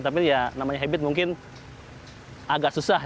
tapi ya namanya habit mungkin agak susah